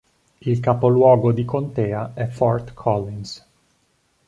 Il capoluogo di contea è Fort Collins.